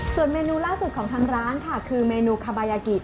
ส่วนเมนูล่าสุดของทางร้านค่ะคือเมนูคาบายากิ